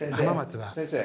先生。